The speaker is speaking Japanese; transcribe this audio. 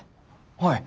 はい。